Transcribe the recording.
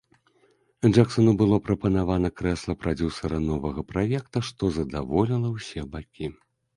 Джэксану было прапанавана крэсла прадзюсара новага праекта, што задаволіла ўсе бакі.